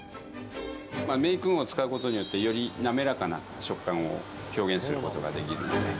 メークインを使うことによってより滑らかな食感を表現することができるので。